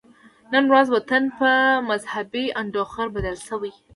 نن ورځ وطن په مذهبي انډوخر بدل شوی دی